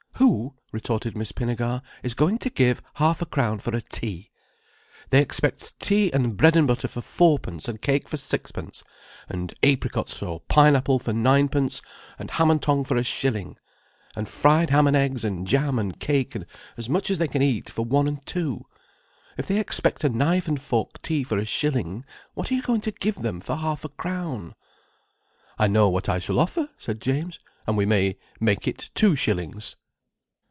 "Who," retorted Miss Pinnegar, "is going to give half a crown for a tea? They expect tea and bread and butter for fourpence, and cake for sixpence, and apricots or pineapple for ninepence, and ham and tongue for a shilling, and fried ham and eggs and jam and cake as much as they can eat for one and two. If they expect a knife and fork tea for a shilling, what are you going to give them for half a crown?" "I know what I shall offer," said James. "And we may make it two shillings."